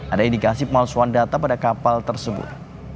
ada indikasi pemalsuan data pada kapal tersebut